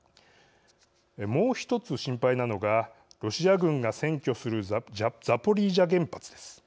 もう一つ心配なのがロシア軍が占拠するザポリージャ原発です。